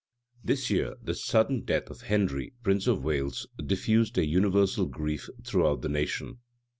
} This year the sudden death of Henry, prince of Wales, diffused a universal grief throughout the nation.